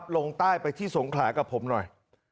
ลงใต้ไปที่สงขลากับผมหน่อย